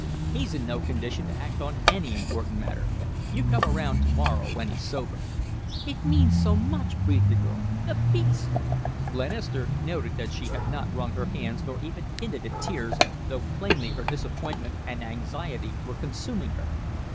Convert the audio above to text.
He's in no condition to act on any important matter. You come around to morrow when he's sober." "It means so much," breathed the girl. "The beast!" Glenister noted that she had not wrung her hands nor even hinted at tears, though plainly her disappointment and anxiety were consuming her.